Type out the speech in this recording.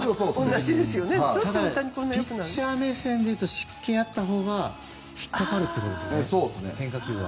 でもピッチャー目線としたら湿気があったほうが引っかかるってことですね変化球が。